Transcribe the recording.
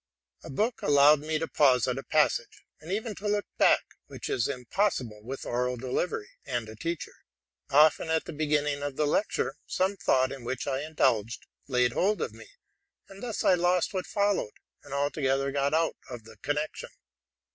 A book allowed me to pause at a pas sage, and even to look back, which is impossible with oral delivery and a teacher. Often, at the beginning of the lec ture, some thought in which I indulged laid hold of me; and thus I lost what followed, and altogether got out of the con nection.